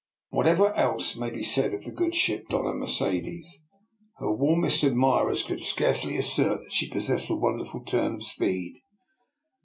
Whatever else may be said of the good ship Doiia Mercedes, her warmest admirers could scarcely assert that she possessed a wonderful turn of speed.